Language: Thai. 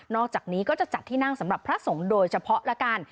อกจากนี้ก็จะจัดที่นั่งสำหรับพระสงฆ์โดยเฉพาะละกัน